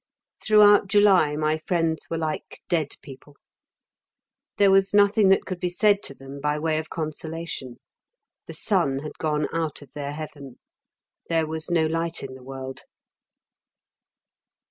Throughout July my friends were like dead people. There was nothing that could be said to them by way of consolation. The sun had gone out of their heaven. There was no light in the world.